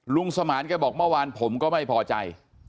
สมานแกบอกเมื่อวานผมก็ไม่พอใจ